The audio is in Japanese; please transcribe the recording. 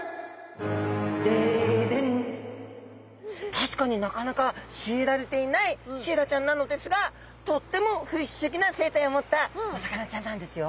確かになかなかシイラれていないシイラちゃんなのですがとっても不思議な生態を持ったお魚ちゃんなんですよ。